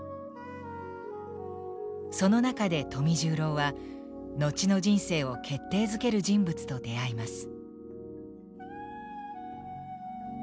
その中で富十郎は後の人生を決定づける人物と出会います。